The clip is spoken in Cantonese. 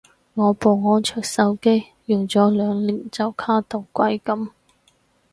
我部安卓手機用咗兩年就卡到鬼噉